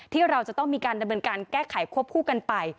ที่เราจะต้องมีการดำเนินการแก้ไขควบคู่กันไป